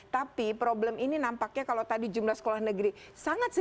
tapi problem ini nampaknya kalau tadi jumlah sekolah negeri sangat sedikit